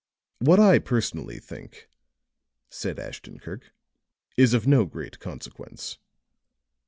"What I personally think," said Ashton Kirk, "is of no great consequence."